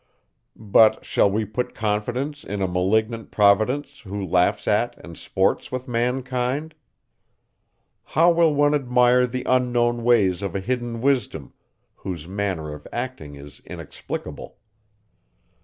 But, shall we put confidence in a malignant Providence, who laughs at, and sports with mankind? How will one admire the unknown ways of a hidden wisdom, whose manner of acting is inexplicable?